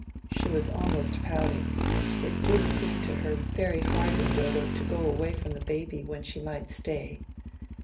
She was almost pouting: it did seem to her very hard in Dodo to go away from the baby when she might stay.